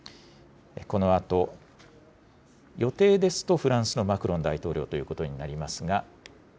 このあと、予定ですとフランスのマクロン大統領ということになりますが。